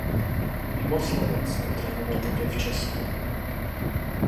Mimo Slovensko trénoval také v Česku.